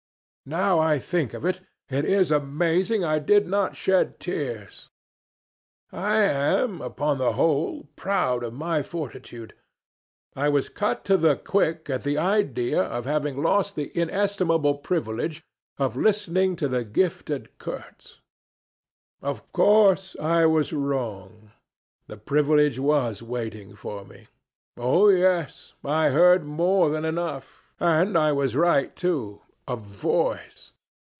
Now I think of it, it is amazing I did not shed tears. I am, upon the whole, proud of my fortitude. I was cut to the quick at the idea of having lost the inestimable privilege of listening to the gifted Kurtz. Of course I was wrong. The privilege was waiting for me. Oh yes, I heard more than enough. And I was right, too. A voice.